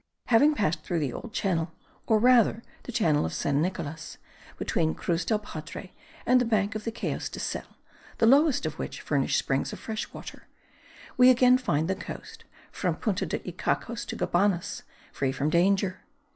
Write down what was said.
Having passed through the Old Channel, or rather the Channel of San Nicolas, between Cruz del Padre and the bank of the Cayos de Sel, the lowest of which furnish springs of fresh water, we again find the coast, from Punta de Icacos to Cabanas, free from danger.